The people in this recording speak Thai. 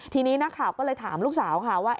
ทีนี้นักข่าวก็เลยถามลูกสาวค่ะว่า